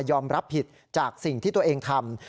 รับผิดจากสิ่งที่ตัวเองทำ